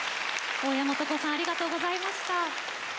大矢素子さんありがとうございました。